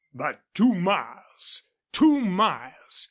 "But two miles! ... Two miles!"